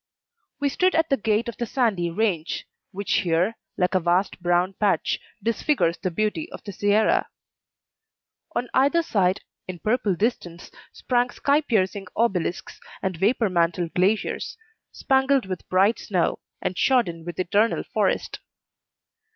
We stood at the gate of the sandy range, which here, like a vast brown patch, disfigures the beauty of the sierra. On either side, in purple distance, sprang sky piercing obelisks and vapor mantled glaciers, spangled with bright snow, and shodden with eternal forest.